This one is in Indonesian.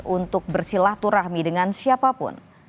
untuk bersilah turahmi dengan siapapun